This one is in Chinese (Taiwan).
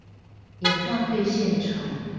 演唱會現場